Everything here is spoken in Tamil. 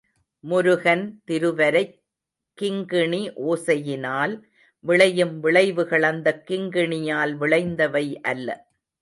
முருகன் திருவரைக் கிங்கிணி ஒசையினால் விளையும் விளைவுகள் அந்தக் கிங்கிணியால் விளைந்தவை அல்ல.